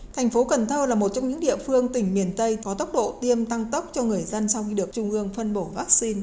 thành phố cần thơ là một trong những địa phương tỉnh miền tây có tốc độ tiêm tăng tốc cho người dân sau khi được trung ương phân bổ vaccine